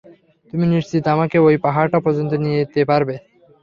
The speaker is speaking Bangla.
তুমি নিশ্চিত আমাকে ঐ পাহাড়টা পর্যন্ত নিতে পারবে?